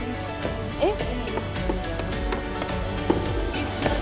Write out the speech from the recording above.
えっ。